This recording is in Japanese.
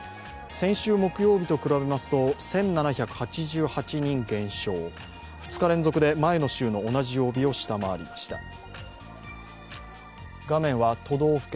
先週木曜日と比べますと１７８８人減少、２日連続で前の週の同じ曜日を下回りました。